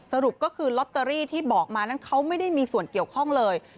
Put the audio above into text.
สรุปก็คือลอตเตอรี่ที่บอกมานั้นเขาไม่ได้มีส่วนเกี่ยวข้องเลย